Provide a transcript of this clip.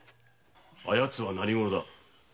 あやつ何者だ？